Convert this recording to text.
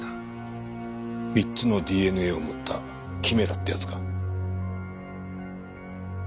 ３つのＤＮＡを持ったキメラってやつか。